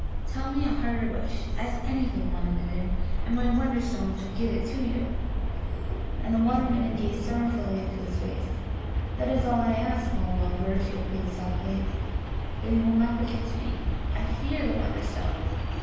Tell me a harder wish. Ask anything, Water midden, and my Wonderstone shall give it you." And the Water midden gazed sorrowfully into his face. "That is all I ask, Mulla mulgar," she repeated softly "that you will not forget me. I fear the Wonderstone.